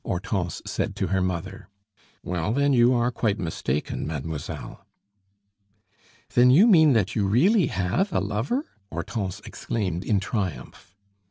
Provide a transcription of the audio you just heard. Hortense said to her mother. "Well, then, you are quite mistaken, mademoiselle." "Then you mean that you really have a lover?" Hortense exclaimed in triumph.